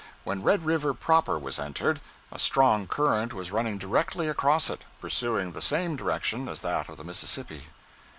When Red River proper was entered, a strong current was running directly across it, pursuing the same direction as that of the Mississippi.